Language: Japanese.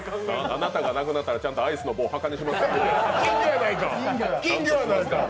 あなたが亡くなったらちゃんとアイスの棒を金魚やないか！